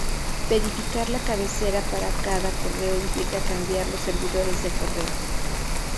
Verificar la cabecera para cada correo implica cambiar los servidores de correo.